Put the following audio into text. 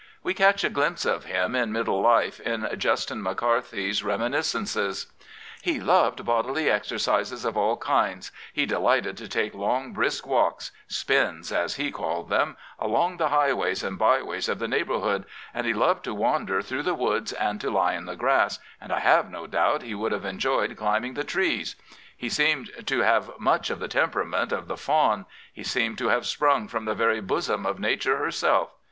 We catch a glimpse of him in middle life in Justin McCarthy's Reminiscences : He loved bodily exercises of all kinds; he delighted to take long brisk walks — spins as he called them — along the highways and byways of the neighbourhood; and he loved to wander through the woods and to lie in the grass, and I have no doubt he would have enjoyed climbing the trees. He seemed to have much of the temperament of the fawn; he seemed to have sprung from the very bosom of Nature herself.